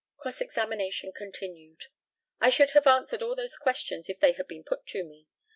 Cross examination continued: I should have answered all those questions if they had been put to me.